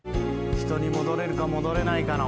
人に戻れるか戻れないかの。